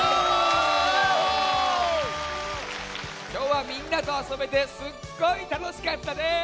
きょうはみんなとあそべてすっごいたのしかったです！